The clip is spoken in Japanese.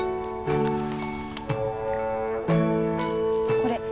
これ。